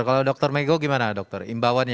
kalau dokter megho gimana dokter imbauannya